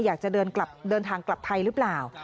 อยากจะเดินทางกลับไทยหรือเปล่า